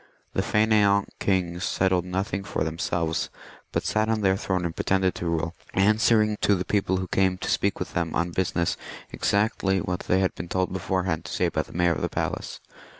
The Faineant kings settled nothing for themselves, but sat on their throne and pretended to rule, answering to the people who came to speak with them on business exactly what they had been told beforehand to say by the Mayor of the Palace.